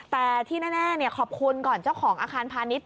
แต่ที่แน่ขอบคุณก่อนเจ้าของอาคารพาณิชย